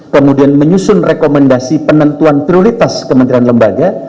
kemudian menyusun rekomendasi penentuan prioritas kementerian lembaga